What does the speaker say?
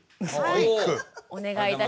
お願いいたします。